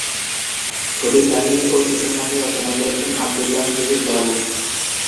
ছবির কাহিনি ও চিত্রনাট্য রচনা করেছেন আবদুল্লাহ জহির বাবু।